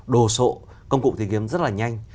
đồ sộ công cụ tìm kiếm rất là nhanh